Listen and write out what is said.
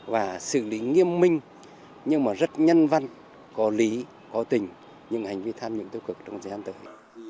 và xử lý nghiêm minh nhưng mà rất nhân văn có lý có tình những hành vi tham nhũng tiêu cực trong thời gian tới